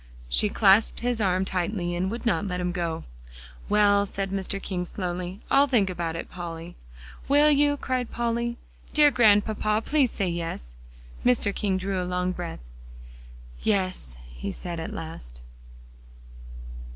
She clasped his arm tightly and would not let him go. "Well," said Mr. King slowly, "I'll think about it, Polly." "Will you?" cried Polly. "Dear Grandpapa, please say yes." Mr. King drew a long breath. "Yes," he said at last.